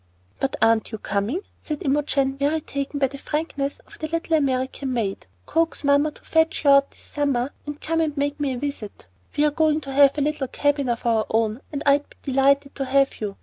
"But aren't you coming?" said Imogen, much taken by the frankness of the little American maid. "Coax mamma to fetch you out this summer, and come and make me a visit. We're going to have a little cabin of our own, and I'd be delighted to have you.